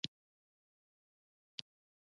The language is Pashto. ښوونځی ماشومانو ته د ستونزو د حل لاره ښيي.